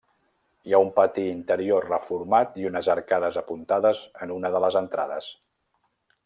Hi ha un pati interior reformat i unes arcades apuntades en una de les entrades.